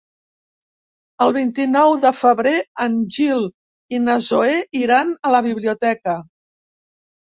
El vint-i-nou de febrer en Gil i na Zoè iran a la biblioteca.